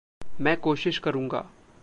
मैं कोशिश करूँगा।